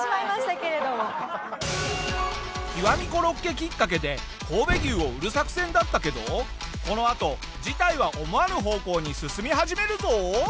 極みコロッケきっかけで神戸牛を売る作戦だったけどこのあと事態は思わぬ方向に進み始めるぞ。